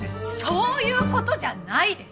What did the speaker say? そういう事じゃないでしょ！